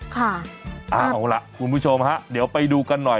เอาล่ะคุณผู้ชมฮะเดี๋ยวไปดูกันหน่อย